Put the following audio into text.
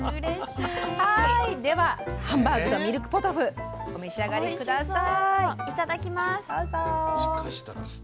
ハンバーグとミルクポトフお召し上がりください。